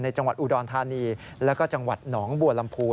จังหวัดอุดรธานีแล้วก็จังหวัดหนองบัวลำพู